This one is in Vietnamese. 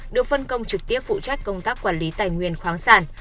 được phân công trực tiếp phụ trách công tác quản lý tài nguyên khoáng sản